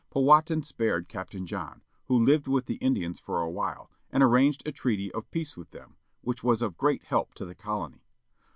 Powhattan spared Captain John, who lived with the Indians for a while, and arranged a treaty of peace with them, which was of great help to the colony.